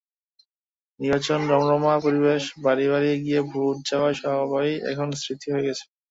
নির্বাচনের রমরমা পরিবেশ বাড়ি-বাড়ি গিয়ে ভোট চাওয়া সবই এখন স্মৃতি হয়ে গেছে।